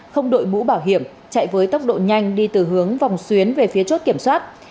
không đội mũ bảo hiểm chạy với tốc độ nhanh đi từ hướng vòng xuyến về phía chốt kiểm soát